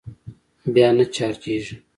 بيا نه چارجېږي.